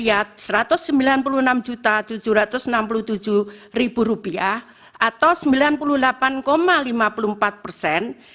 atau sembilan puluh delapan lima puluh empat persen